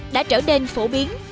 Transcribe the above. đã trở nên phổ biến